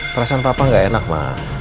perasaan papa gak enak ma